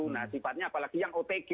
nah sifatnya apalagi yang otg